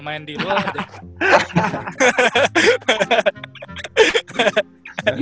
main di luar deh